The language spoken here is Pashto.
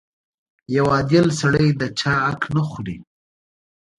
• یو عادل سړی د چا حق نه خوري.